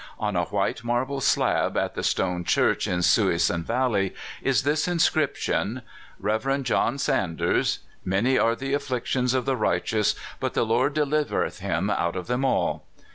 On a white marble slab, at the "Stone Church," in Suisun Valley, is this inscrip tion : REV. JOHN SANDERS. Many are the afflictions of the righteous, but the Lord de livereth him out of them all.